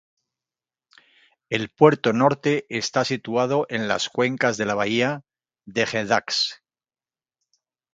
El Puerto Norte está situado en las cuencas de la bahía de Gdańsk.